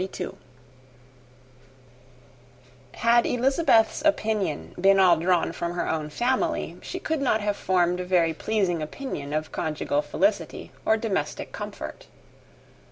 Had Elizabeth's opinion been all drawn from her own family, she could not have formed a very pleasing picture of conjugal felicity or domestic comfort.